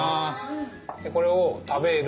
でこれを食べる。